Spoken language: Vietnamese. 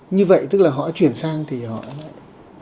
như vậy tức là họ chuyển sang thì họ lại